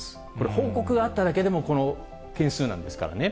報告があっただけでもこの件数なんですからね。